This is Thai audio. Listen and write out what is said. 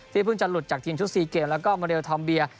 เพิ่งจะหลุดจากทีมชุด๔เกมแล้วก็โมเดลทอมเบีย